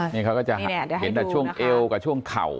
นี่เขาก็จะเห็นแต่ช่วงเอวกับช่วงเข่า